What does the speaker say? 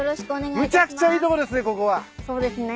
むちゃくちゃいいとこですね。